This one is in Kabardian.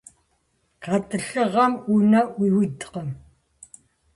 ГъэтӀылъыгъэм Ӏунэ Ӏуиудкъым.